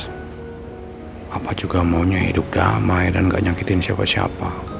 kenapa juga maunya hidup damai dan gak nyangkitin siapa siapa